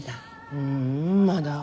ううんまだ。